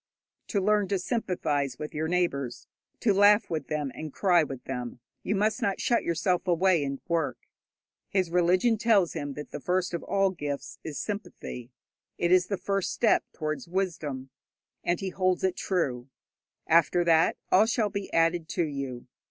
To learn to sympathize with your neighbours, to laugh with them and cry with them, you must not shut yourself away and work. His religion tells him that the first of all gifts is sympathy; it is the first step towards wisdom, and he holds it true. After that, all shall be added to you.